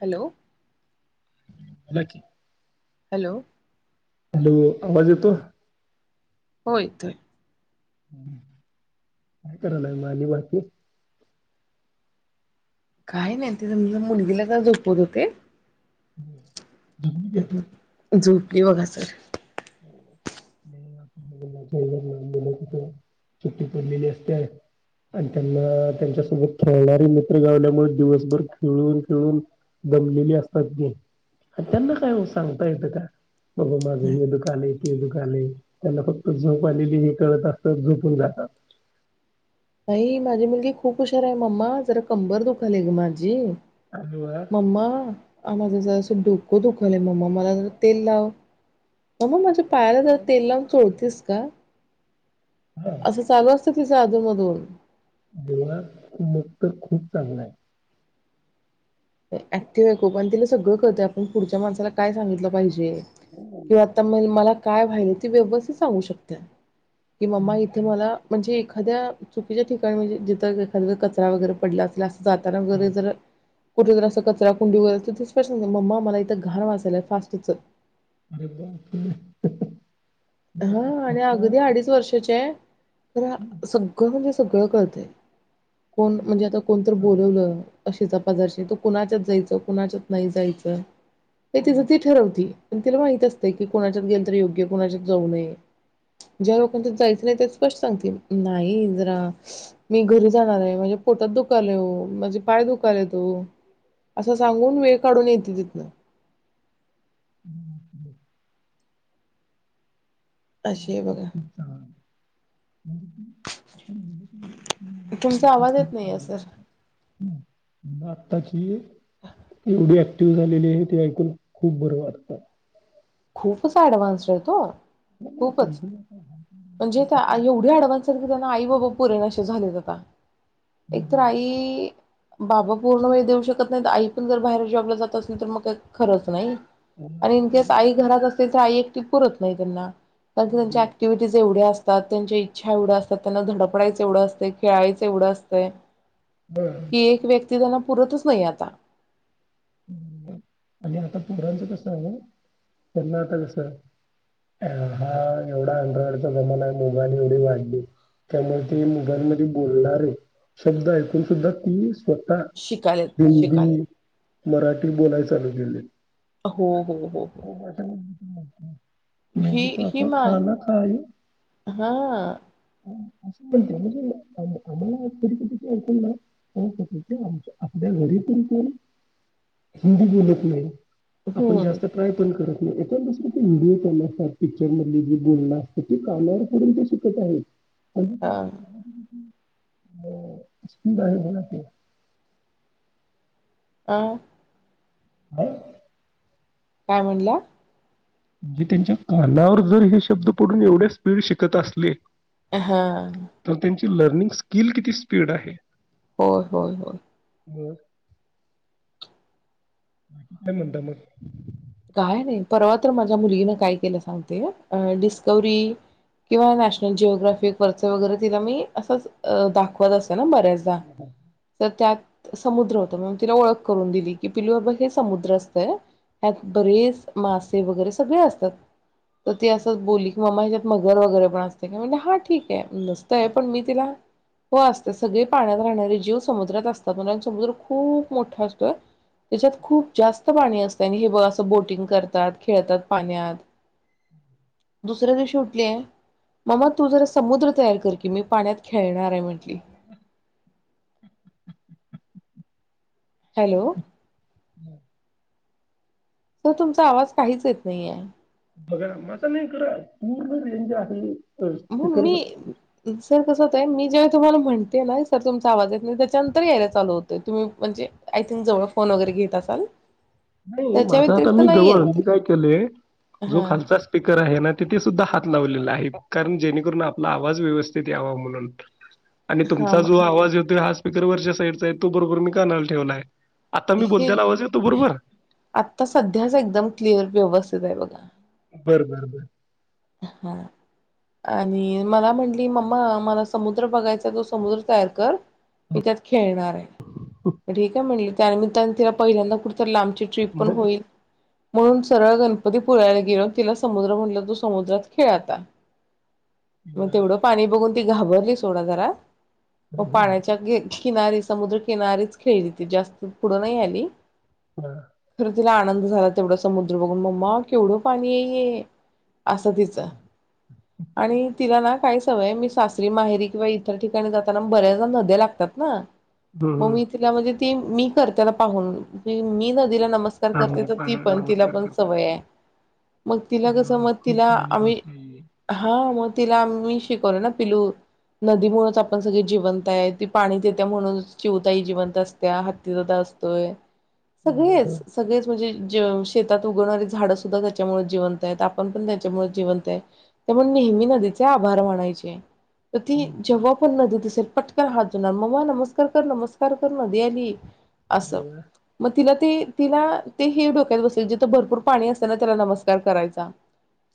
Hello बोला की hello hello आवाज येतो हो येतोय ह काय करायला आणि बाकी काही नाही ते जरा मुलगीला तर झोपवत होते [unintelligible] तुम काय? धूम ए झोप हे बघा सर सुट्टी पडलेली असत्या आणि त्यांना त्यांच्यासोबत खेळणारी मित्र घावल्यामुळे दिवसभर खेळून खेळून दमलेले असतात ते अन त्यांना काय सांगता येतं का बाबा माझं हे दुख हे दुखले ते दुखले त्यांना फक्त झोप आलेली हे कळत असतात झोपून जातात नाहीई माझी मुलगी खूप हुशार आहे मम्मा जरा कंबर दुखालेय ग माझी आणि वा मम्मा आमझ जा डोकं दुखेल मम्मा मला जरा तेल लाव मम्मा माझ्या पायाला जरा तेल लावून चोळतेस का हा असं चालू असत आधून- मधून देवळात मखूट खूप चांगला आहे. ऍक्टिव्ह आहे खूप आणि तिला सगळं कलतय आपण पुढच्या माणसाला काय सांगितलं पाहिज [inaudible] किंवा आता मी मला काय व्हायलं ते व्यवस्थित सांगू शकते. कि मम्मा इथे मला म्हणजे एक एखाद्या चुकीच्या ठिकाणी म्हणजे जिथं एखाद्यावेळेस कचरा वगैरे पडला असल्यास जाताना हा. घरी जर कुठे जरा असं कचरा कुड़ी वगैरे असेल तर ती स्पष्ट सांगते मम्मा मला इथं घाण वास आलाय फास्ट चल अरे वा हं हा आणि अगदी अडीच वर्षाचे आहे सगळं म्हज सगळं कळतंय कोण म्हणजे आता कोणततर बोलवलं शेजारपाजारशी कुणाच्यात जायच कुणाच्याच नाही जायचं ते तिज ती ठरवती म तिला माहित असतय की कोणाच्यात गेल तर योग्य कोणाच्यात जाऊ नये ज्या लोकांच्यात जायचं ते स्पष्ट सांगतील नाही ओ जरा मी घरी जाणारये माझ्या पोटात दुखाल ओ माझे पाय दुखले ओ असा सांगून वेळ काढून येते तिथनं अरे बापरे अशी आहे बघा [unintelligible] मुल तुमचा आवाज येत नाहीये सर आताची एवढी ऍक्टिव्ह झालेली आहे ते ऐकून खूप बरं वाटत. खूपच ऍडव्हान्स आहेत ओ नाही, खूपच समजून येतं. म्हणजे त्या एवढी अडवायाचं केकांना आई बाबा पुरेणासेे झालेत आता एक तर आई बाबा पूर्ण वेळ देऊ शकत नाहीत आई पण जर बाहेर जॉबला जात असली तर मग काही खरंच नाही आणि इनकेस [inaudible] आई घरात असतय तर आई एकटी पूरत नाही त्यांना [unintelligible] त्यांच्या ऍक्टिव्हिटीज एवढ अस त्यात त्यांच्या इच्छा एवढ्या असतात, त्यांना धडपडायचं एवढं असतय, खेळायचं एवढं असतय हं. ही एक व्यक्त ते त्यांना पुरतच नाही आता आणि आता पोरांचं कस आहे त्यांना आता कस आहे हा [unintelligible] एवढा अँड्रॉइडचा जमाना आहे मोबाईल एवढे वाढले त्यामुळे ते मोबाईल मध्ये बोलणारे शब्द ऐकून सुद्धा ती स्व शिकायत शिकायत मराठी बोलाय चालू केलंय हो हो हो हो रिकामा ऑडिओ ही मेेरे ही पापाा मा खाना खाइ? हा असं बोलत्या आम्हाला परिती कण ना आम आपल्या घरीतून कोण हिंदी बोलत नाही. आपण हम्म जास्त ट्राय पण करत ए दुसर ते व्हिडिओ [unintelligible] असतात पिक्चर मध जे बोलण असतं ते कानावर पडून ते शिकत आहेत. हा रिकामा ऑडिओ [inaudible] हो स्पीड आहे बोला की, अं रिकामा ऑडिओ [inaudible] काय म्हणला? म्हणजे त्यांच्या कानावर जर हे शब्द पडून एवढे स्पीड शिकत असले हा! तर त्यांची लर्निंग स्किल किती स्पीड आहे? होय-होय-होय! रिकामा ऑडिओ बाकी काय म्हणता मग काय नाही परवा तर माझ्या मुलगीनं काय केलं सांगते डिस्कवरी किंवा नॅशनल जिओग्राफिक वरच वगैरे तिला मी असचं दाखवत असत बऱ्याचदा तर त्यात समुद्र होतं. मण तिला ओळख करून दिली की पिलू अबघ हे समुद्र असतंय ह्यात बरेच मासे वगैरे सगळे असतात तर ती असं बोल्ली की म्मा ह्याच्यात मगर वगैरे पण असते का? मी म्हण हा ठीक आहे नसतंय पण मी तिला हो असते सगळे पाण्यात राहणारे जीव समुद्रात असतात. म्हणून समुद्र खूप मोठा असतोय. त्याच्यात खूप जास्त पाणी असत. त्यांनी हे बघ असं बोटिंग करतात खेळतात पाण्यात रिकामा ऑडिओ दुसऱ्या दिवशी उठलीय, ममा तू जरा समुद्र तयार कर की मी पाण्यात खेळणार काय म्हंटली हॅलो रिकामा ऑडिओ [inaudible] सर तुमचा आवाज काहीच येत नाही आहे. बघा माझं नाही कर पूर्ण रेंज आहे. म्हणु मी स्पीकर सर कसं होतंय, मी जेव्हा तुम्हाला म्हणते ना सर तुमचा आवाज येत नाही, त्याच्यानंतर यायला चालू होतोय. तुम्ही म्हणजे आय थिंक जवळ फोन वगैरे घेत असाल नाही त्याच्या माझा आता व्यतिरिक्त मी नाही जवळ येत मी काय केलंय, जो हा खालचा स्पीकर आहे ना तिथे सुद्धा हात लावलेलं आहे कारण जेणेकरून आपला आवाज व्यवस्थित यावा म्हणून आणि हा तुमचा म जो आवाज येतोय आ पिकर वरच्या साईडचा आहे तो बरोबर मी कानाला ठेवलाय. आता मी हे बोलतेला आवाज येतो बरोबर आता सध्याच एकदम क्लिअर व्यवस्थित आहे बघा. बर बर बर हा आणि मला म्हंटली मम्मा मला समुद्र बघायचा तो समुद्र तयार कर, मी त्यात खेळणार आहे. ठीक आहे म्हणली. त्या निमित्ताने तिला पहिल्यांदा कुठ तरी लांब ची ट्रिप पण मग होईल. म्हणून सरळ गणपती पुळ्याला गेलो तिला समुद्र म्हणलंस समुद्रात खेळ आता मग वा. तेवढं पाणी बघून ती घाबरली सोडा जरा हो हम्म, पाण्याच्या घे किनारी समुद्रकिनारीच खेळली ती जास्त पुढं नाही आली. हां. खर तिला आनंद झाला तेवढा समुद्र बघून मम्मा केवढं पाणी आहे हे, असं तिचं आणि तिला ना काय सवय मी सासरी माहेरी किंवा इतर ठिकाणी जाताना बऱ्याचदा नद्या लागतात ना हम्म. ममी तीला म्हणते ते मी करत्याल पाहून मी [unintelligible] तीला नमस्कार करते आम्ही तर ती पाण्याला पण तिला नमस्कार पण करतात सवय ते आहे मग तिला अरे कस वा मग खूप चांगली गोष्ट आहे ही ह मग तिला आम्ही शिकवलं ना पिलू नदीमुळच आपण सगळे जिवंत आहे ती पाणी देत्या म्हणूनच चिऊताई जिवंत असत्या हत्ती दादा असतो त. हम्म, हम्म. सगळेच सगळेच म्हणजे शेतात उगवणारी झाडं सुद्धा त्याच्यामुळे जिवंत आहेत आपण पण जिवंत आहे त्यामुळे नेहमी नदीचे आभार म्हणजे यचं. ती जेव्हा पण नदीत दिसेल पटकन हात जोडणार मम्मा नमस्कार कर नमस्कार कर नदी आली. असं जेवलं मग तिला ते तिला ते हे डोक्यात बसले जिथं भरपूर पाणी असतेना त्याला नमस्कार करायचा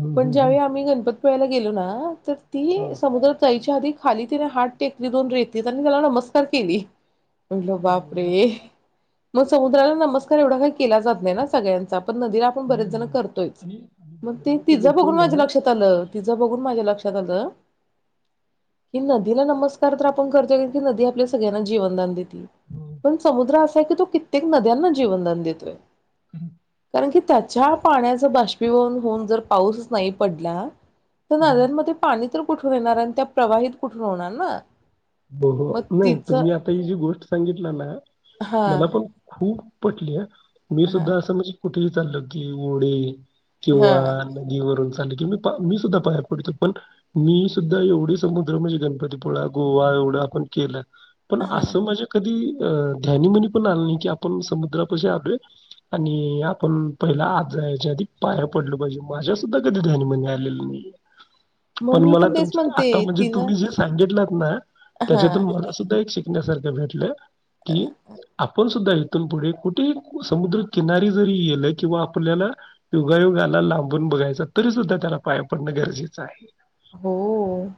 हम्म, पण हम्म, हम्म. ज्यावेळी आम्ही गणपती पवायला गेलो ना तर ती हां. समुद्रात जायची. आधी खाली तिने हात टेकली दोन रेतीत आणि त्याला नमस्कार केली. म्हटलं अरे वा बापरे! मग समुद्राला नमस्कार एवढा काही केला जात नाही ना सगळ्यांचा पण नदीला आपण नाही, बरेच नाही, जण नाही. करतोयच आणि आणि मग बरेच तिचं बघून लोकं ना माझ्या लक्षात आलं तिचं बघून माझ्या लक्षात आलं, की नदीला नमस्कार तर आपण करतो की नदी आपल्या सगळ्यांना जीवनदान देते हो, पण समुद्र की तो कित्येक नद्यांना जीवन दान देतोय. ह न की त्याच्या पाण्याचं बाष्पीभवन होऊन जर पाऊसच नाही पडला, तर हा. नद्यांमध्ये पाणी कुठून येणार आणि त्या प्रवाहित कुठून होणार ना? हो मग हो, नाही तिचं तुम्ही आता ही जी गोष्ट सांगितलं ना, हा मला पण खूप पटली आ मी हा सुद्धा अस मज कुठली चाल्लं की ओडे हा किंवा नदीवरून मी सुद्धा पाया पडतो पण, मी सुद्धा एवढी समुद्र म्हणजे गणपतीपुळा गो गोवा एवढं आपण केलं पण हा असं माझे कधी अं ध्यानी मनी पण आले नाही की आपण समुद्रापाशी आलोय आणि आपण पहिला आज याच्या आधी पाया पडलो पाहिजे माझ्यासुद्धा कधी ध्यानी मनी आलेलं नाही मग पण मी मला तेच तुमचं म्हणते आता म्हणजे तिनं तुम्ही जे सांगितलं म हा त्याच्यातून मला सुद्धा एक शिक तुझ्या सारखे भेटले कि, आपण सुद्धा तितून पुढे कुठेही समुद्रकिनारी जरी येल किंवा आपल्याला युगायुगाला लांबून बघायचा तरी सुद्धा त्याला पाया पडणं गरजेचं आहे हो,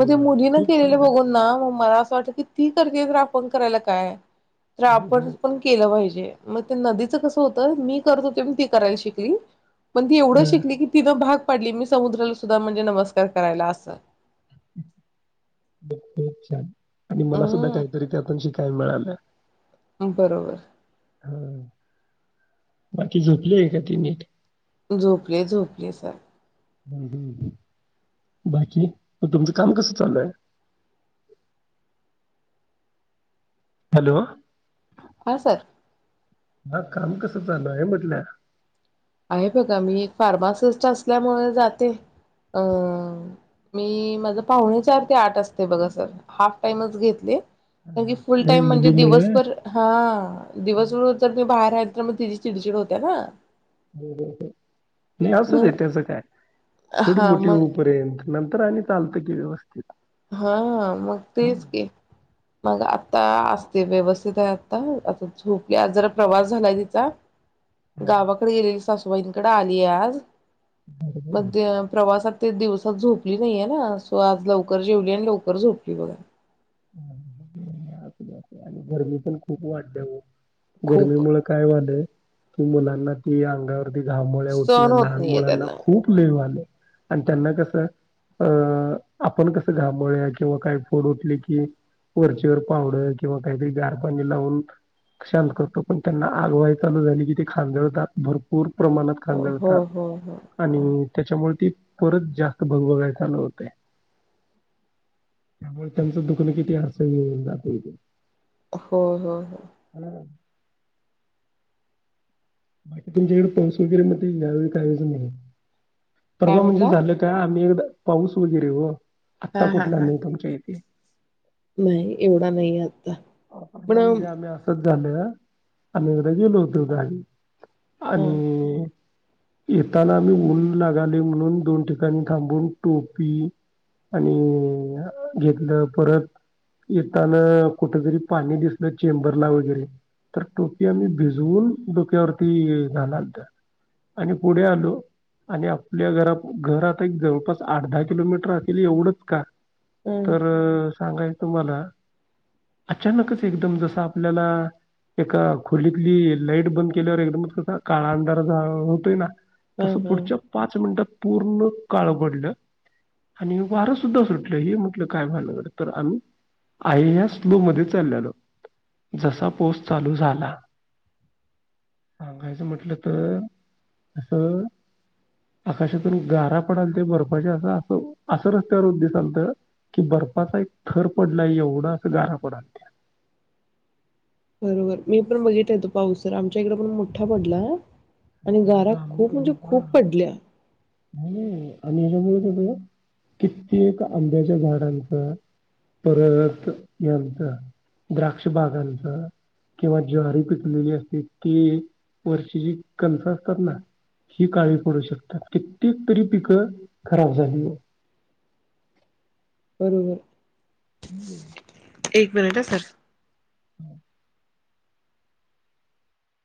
मग ते वा! मुलीन खूप केलेलं सुंदर. बघून ना मग मला असं वाटतं की ती करते तर आपण करायला काय तर हो, आपण हो. पण केलं पाहिजे मग ते नदीचं कसं होतं मी करत होते म्हणून ती करायला शिकली पण ती एवढं हं. शिकली की तिथं भाग पडली मी समुद्रला सुद्धा म्हणजे नमस्कार च करायला असं बोबोचान आणि मला सुद्धा हम्म काहीतरी त्यातून शिक मिळालं बरोबर ह, बाकी झोपली आहे का ती नीट? झोपले झोपले सर हूं हूं बाकी म तुमचं काम कसं चालु हाय? हॅलो हा सर हा काम कसं चालु आहे म्हटलं? आहे बघा मी एक फार्मासिस्ट असल्यामुळे जाते. अ मी माझ पाहुणे चार ते आठ असते बघा सर हाफ टाइमच घेतले. म्हणजे फुल नाही टाइम म्हणजे मुलीमुळे दिवसभर हा दिवसभर जर मी बाहेर राहिले. अन म तिची चिडचिड होते ना. हो असुदे मग त्याज काय थोडी हा मोठी मग होईपर्यंत नंतर आणि चालतं की व्यवस्थीत हा हा मग तेच की मग आत्ता असते व्यवस्थित आहे आता आता झोपले आज जरा प्रवास झालाय तिचा हा, गावाकडे गेलेली सासू- वैनीकड आलीय आज बरोबर. मध्य प्रवासात ती दिवसात झोपली नाहीये ना सो आज लवक लवकर जेवली आणि लवकर झोपली बघा. [unintelligible] गरमी पण खूप वाढली ओ खूप गर्मी मूळ काय व्हालय? मुलांना ती अंग म ते घामोळ्या उटण सहन होत लहान नाहीये मुलांना त्यांना. खूप लव वालय आणि त्यांना कस अ अ अ आपण कस घामोळ्या किंवा काय फोड उठले की एक वरचीवर पावडर किंवा काहीतरी गार पाणी लावून शांत करतो पण त्यांना आग व्हाया चालू झाली की ते खांजळतात भरपूर प्रमाणात हो खाल्ला हो होता हो हो. आणि त्याच्यामुळे ते परत जास्त भग भग ऐकायला होतय त्यामुळे त्यांचं दुख- कोणी किती हसू गिळून दाखवतो. हो हो हो तुमच्या कडे पैसे वैगेरे नव्हते, ह्यावेळी काय जमलं नाहीये. काय परवा म्हणजे म्हटला? झालं काय आम्ही एकदा पाऊस वगैरे ओ आत्ता हा हा कुठला हा. नाई तुमच्या इथे. नाही येवढा नाही येत. आपण हो म्हणजे आम्ही असच झाल्या आम्ही उद्या गेलो होतो गाडीत. हा आणि येताना आम्ही मुलून लागाली म्हणून दोन ठिकाणी थांबून टोपी आणि घेतलं परत येताना कुठ जरी पाणी दिसलं चेंबरला वगैरे तर टोपी आम्ही भिजवून डोक्यावरती घालाता आणि पुढे आलो आणि आपल्या घरा घरात आता एक जवळपास आठ दहा किलोमीटर असेल एवढंच काय तर सांगाय तुम्हाला अचानकच एकदम जसं आपल्याला एका खोलीतली लाईट बंद केल्यावर एकदम कसा काळा अंधारा होतोय ना हा तस हा. पुढच्या पाच मिनटात पूर्ण काळ पडलं आणि वारं सुद्धा सुटलं हे म्हटलं काय व्हायल तर आम्ही आयस लो मध्ये चाललेलो जसा पाऊस चालू झाला सांगायचं म्हटलं तर अस आकाशातून गारा पडालत्या ते बर्फच्या अस असं असं रस्त्यावर दिसालत की बर्फचा एक थर पडलाय एवढा गारा पडालत्या बरोबर मी पण बघितला तो पाऊस सर आमच्या इकडं पण मोठा पडलाय आणि गारा आम्ही खूप म्हणजे एवढं- हा खूप पडल्या आणि हेच्यामुळे कित्येक आंब्याच्या झाडांच परत यांचा द्राक्ष बागांच किंवा ज्वारी पिकलेली असते ते वर्षी ज कणस असतात ना ही काळी पडू शकतात कित्येक तरी पिकं खराब झाली बरोबर [unintelligible] हम्म [inaudible] एक मिनिट हा सर हम [inaudible]